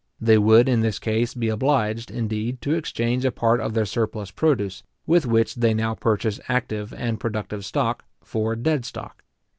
They would in this case be obliged, indeed, to exchange a part of their surplus produce, with which they now purchase active and productive stock, for dead stock.